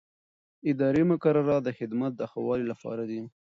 اداري مقررات د خدمت د ښه والي لپاره دي.